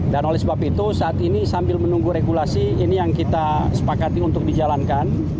dan oleh sebab itu saat ini sambil menunggu regulasi ini yang kita sepakati untuk dijalankan